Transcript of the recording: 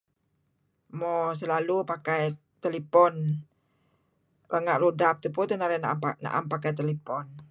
selalu uih pakai talipon ranga rudap tupu teh narih naam pakai talipon